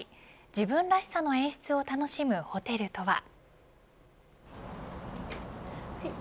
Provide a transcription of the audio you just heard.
自分らしさの演出を楽しむホテルとは。